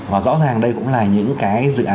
và rõ ràng đây cũng là những cái dự án